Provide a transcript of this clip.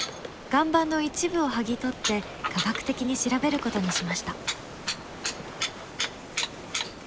岩盤の一部を剥ぎ取って科学的に調べることにしました。